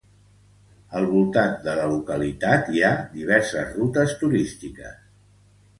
Al voltant de la localitat hi ha diverses rutes turístiques.